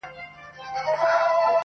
يو خوا يې توره سي تياره ښكاريږي,